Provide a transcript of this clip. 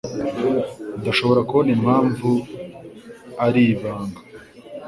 Ndashobora kubona impamvu ari ibanga.